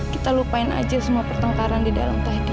kita lupain aja semua pertengkaran di dalam tadi